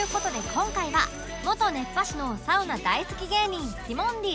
今回は元熱波師のサウナ大好き芸人ティモンディ